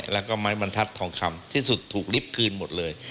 แล้วก็ไม้บรรทัศน์ทองคำที่สุดถูกลิฟต์คืนหมดเลย